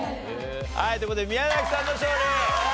はいという事で宮崎さんの勝利！